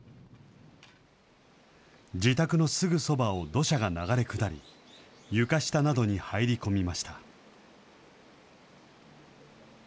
自宅のすぐそばを土砂が流れ下り、床下などに入り込みました。